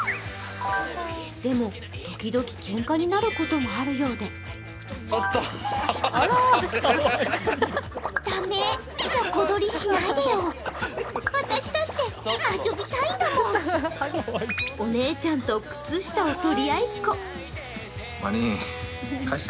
でも、ときどきけんかになることもあるようでお姉ちゃんと靴下を取り合いっこ。